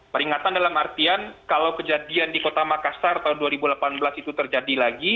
peringatan dalam artian kalau kejadian di kota makassar tahun dua ribu delapan belas itu terjadi lagi